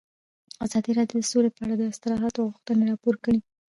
ازادي راډیو د سوله په اړه د اصلاحاتو غوښتنې راپور کړې.